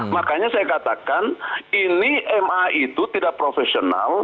makanya saya katakan ini ma itu tidak profesional